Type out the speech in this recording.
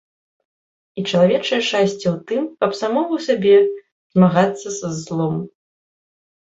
І чалавечае шчасце ў тым, каб самому сабе змагацца з злом.